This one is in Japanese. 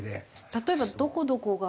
例えばどこどこが？